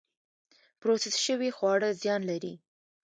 پروسس شوي خواړه زیان لري